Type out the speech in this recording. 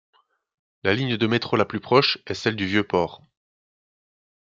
La ligne de métro la plus proche est celle du Vieux Port.